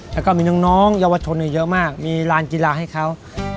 แล้วก็มีน้องเยาวชนเยอะมากมีร้านกีฬาให้เขา